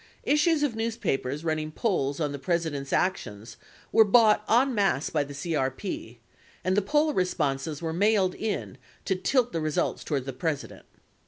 48 Issues of newspapers running polls on the President's actions were bought en masse by the CRP, and the poll responses were mailed in to tilt the results toward the President.